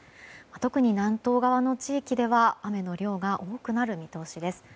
特に南東側の地域では雨の量が多くなる見通しです。